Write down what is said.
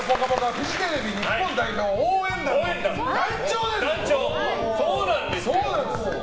フジテレビ日本代表応援団のそうなんですよ！